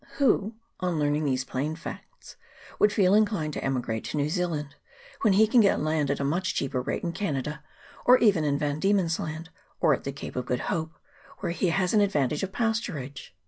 Who, on learning these plain facts, would feel inclined to emigrate to New Zealand when he can get land at a much cheaper rate in Canada, or even in Van Diemen's Land, or at the Cape of Good Hope, where he has the advantage of pasturage